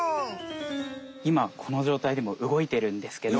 今このじょうたいでも動いてるんですけど。